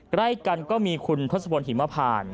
ใกล้กันก็มีคุณทศพลหิมพาน